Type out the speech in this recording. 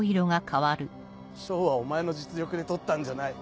賞はお前の実力で取ったんじゃない。